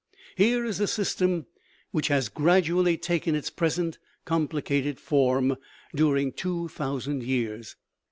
Here is a system which has gradually taken its present complicated form during two thousand years.